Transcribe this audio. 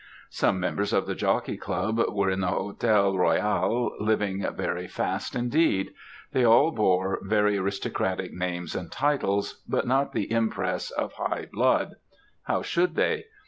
Some members of the Jockey Club were in the Hôtel Royal, living very fast indeed. They all bore very aristocratic names and titles, but not the impress of high blood. How should they?